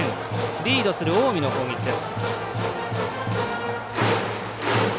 リードする近江の攻撃です。